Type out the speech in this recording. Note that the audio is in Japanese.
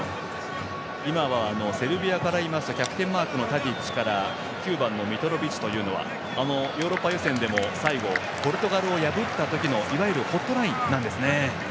今は、セルビアからキャプテンのタディッチから９番のミトロビッチはヨーロッパ予選でも最後ポルトガルを破った時のいわゆるホットラインなんですね。